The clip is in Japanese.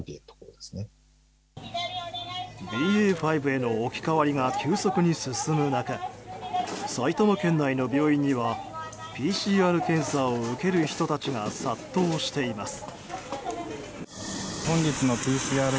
ＢＡ．５への置き換わりが急速に進む中埼玉県内の病院にはＰＣＲ検査を受ける人たちが殺到しています。